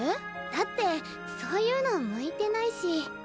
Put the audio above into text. だってそういうの向いてないし。